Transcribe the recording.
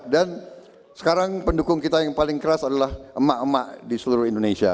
dan sekarang pendukung kita yang paling keras adalah emak emak di seluruh indonesia